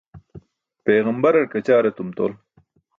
Peġambarar kaćaar etum tol.